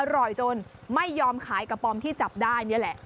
อร่อยจนไม่ยอมขายกระป๋อมที่จับได้นี่แหละ